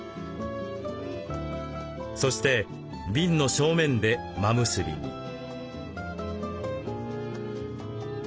そして瓶の正面で真結びに。